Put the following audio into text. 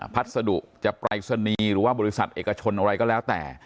พัสดุจะปรายศนีย์หรือว่าบริษัทเอกชนอะไรก็แล้วแต่